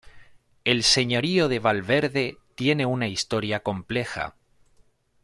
El señorío de Valverde tiene una historia compleja.